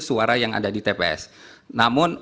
suara yang ada di tps namun